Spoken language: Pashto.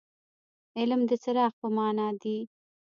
علم د څراغ په معنا دي.